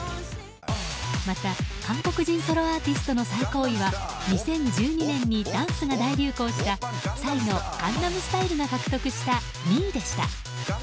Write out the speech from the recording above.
また、韓国人ソロアーティストの最高位は２０１２年にダンスが大流行したＰＳＹの「江南スタイル」が獲得した２位でした。